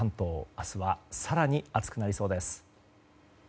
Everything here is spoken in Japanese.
明日は更に暑くなりそうです。